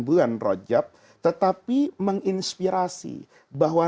bulan rojab tetapi menginspirasi bahwa